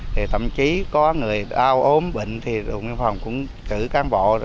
thì thậm chí có người đau ốm bệnh thì đồn biên phòng cũng cử cán bộ